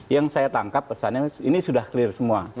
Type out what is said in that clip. yang saya tangkap pesannya ini sudah clear semua